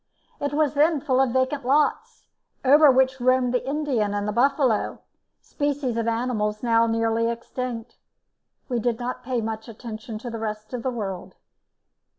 It was then full of vacant lots, over which roamed the Indian and the buffalo, species of animals now nearly extinct. We did not pay much attention to the rest of the world.